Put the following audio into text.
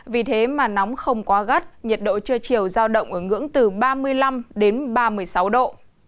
vì thế mà nóng không quá gắt nhiệt độ trưa chiều giao động ở ngưỡng từ ba mươi năm đến ba mươi sáu độ